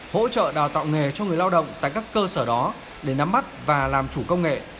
hỗ trợ đào tạo nghề cho người lao động tại các cơ sở đó để nắm mắt và làm chủ công nghệ